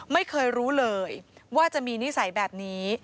ไม่เคยรู้เลยว่าจะมีนิสัยแบบนี้